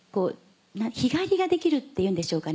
日帰りができるっていうんでしょうかね。